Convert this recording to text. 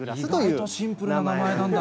意外とシンプルな名前なんだ